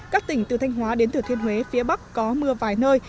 các tỉnh từ thanh hóa đến thừa thiên huế phía bắc có mưa vài nơi